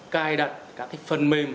cài đặt các phần mềm